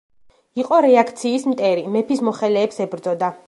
იყო რეაქციის მტერი, მეფის მოხელეებს ებრძოდა.